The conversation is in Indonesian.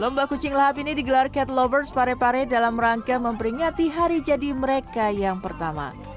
lomba kucing lahap ini digelar cat lovers parepare dalam rangka memperingati hari jadi mereka yang pertama